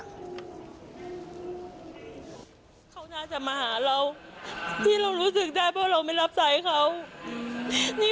ที่ทำให้เขาเป็นแบบนี้